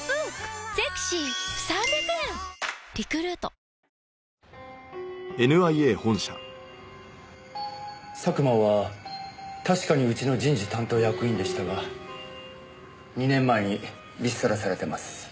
大豆麺キッコーマン佐久間は確かにうちの人事担当役員でしたが２年前にリストラされてます。